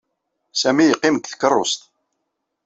Sami yeqqim deg tkeṛṛust.